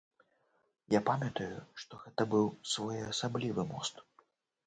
Я памятаю, што гэта быў своеасаблівы мост.